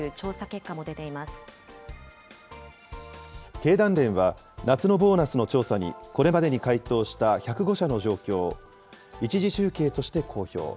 結果経団連は、夏のボーナスの調査に、これまでに回答した１０５社の状況を１次集計として公表。